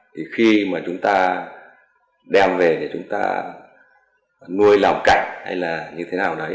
thì khi mà chúng ta đem về để chúng ta nuôi làm cảnh hay là như thế nào đấy